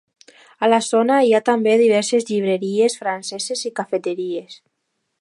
A la zona hi ha també diverses llibreries franceses i cafeteries.